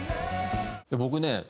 僕ね